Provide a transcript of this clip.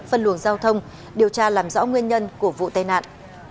phân luồng giao thông điều tra làm rõ nguyên nhân của vụ tai nạn